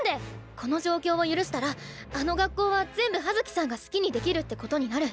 この状況を許したらあの学校は全部葉月さんが好きにできるってことになる。